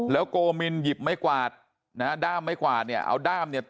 แล้วโกมินหยิบไหม้กาวดน่ะด้ามไหม้กวาดเนี้ยเอาด้ามเนี้ย